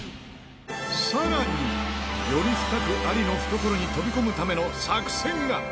さらに、より深くアリの懐に飛び込むための作戦が。